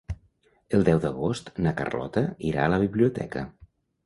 El deu d'agost na Carlota irà a la biblioteca.